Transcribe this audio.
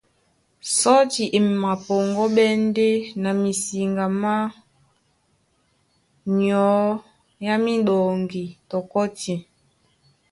Sɔ́ti e mapɔŋgɔ́ɓɛ́ ndé na misiŋga má nyɔ́ á míɗɔŋgi tɔ kɔ́tin.